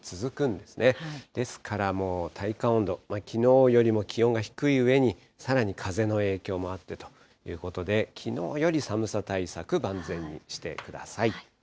ですからもう体感温度、きのうよりも気温が低いうえに、さらに風の影響もあってということで、きのうより寒さ対策万全にしてください。